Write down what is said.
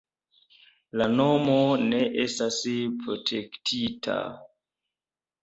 La nomo ne estas protektita.